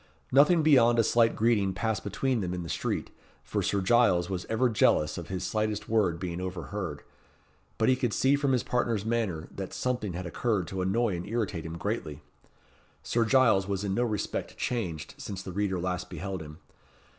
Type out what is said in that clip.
Nothing beyond a slight greeting passed between them in the street, for Sir Giles was ever jealous of his slightest word being overheard; but he could see from his partner's manner that something had occurred to annoy and irritate him greatly. Sir Giles was in no respect changed since the reader last beheld him.